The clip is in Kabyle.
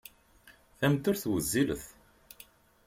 Tameddurt wezzilet.